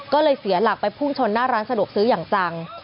ก็เลยเสียหลักไปพุ่งชนหน้าร้านสะดวกซื้ออย่างจัง